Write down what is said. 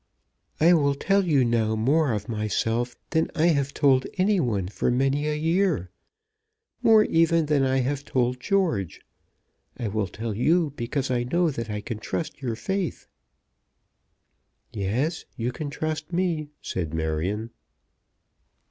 I will tell you now more of myself than I have told any one for many a year, more even than I have told George. I will tell you because I know that I can trust your faith." "Yes; you can trust me," said Marion.